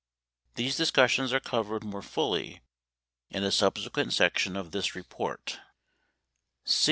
These discussions are covered more fully in a subsequent section of this report.